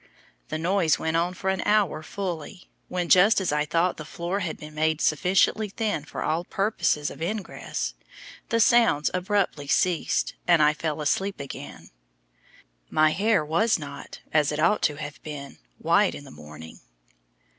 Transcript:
The noise went on for an hour fully, when, just as I thought the floor had been made sufficiently thin for all purposes of ingress, the sounds abruptly ceased, and I fell asleep again. My hair was not, as it ought to have been, white in the morning!